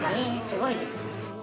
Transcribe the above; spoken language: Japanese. すごいですね。